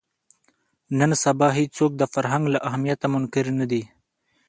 نن سبا هېڅوک د فرهنګ له اهمیته منکر نه دي